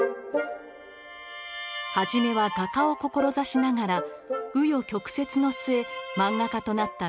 初めは画家を志しながらう余曲折の末漫画家となった水木さん。